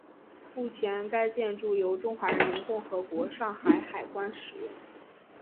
目前该建筑由中华人民共和国上海海关使用。